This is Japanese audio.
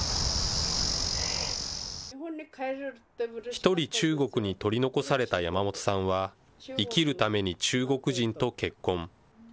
一人中国に取り残された山本さんは、生きるために中国人と結婚。